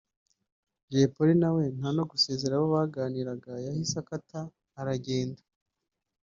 Jay Polly nawe nta no gusezera abo baganiraga yahise akata aragenda